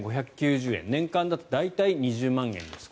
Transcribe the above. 年間だと大体２０万円です。